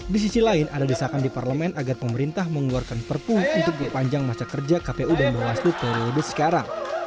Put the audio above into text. di sisi lain ada desakan di parlemen agar pemerintah mengeluarkan perpu untuk memperpanjang masa kerja kpu dan bawaslu periode sekarang